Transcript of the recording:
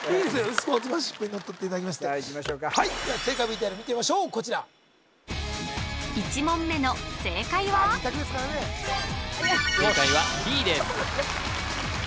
スポーツマンシップにのっとっていただきましてではいきましょうかはいでは正解ＶＴＲ見てみましょう１問目の正解は正解はＢです